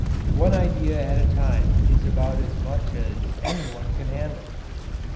One idea at a time is about as much as any one can handle.